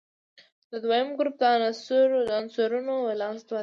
د دویم ګروپ د عنصرونو ولانس دوه دی.